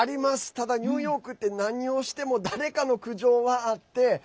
ただ、ニューヨークって何をしても誰かの苦情はあって。